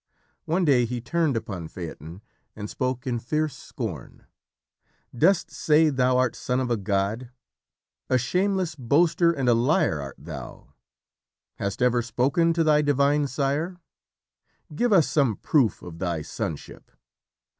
One day he turned upon Phaeton and spoke in fierce scorn: "Dost say thou art son of a god? A shameless boaster and a liar art thou! Hast ever spoken to thy divine sire? Give us some proof of thy sonship!